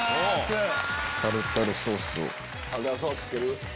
タルタルソースを。